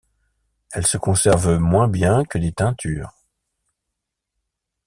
Elles se conservent moins bien que les teintures.